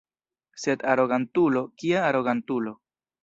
Sed arogantulo, kia arogantulo!